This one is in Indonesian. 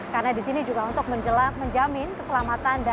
karena disini juga untuk menjamin keselamatan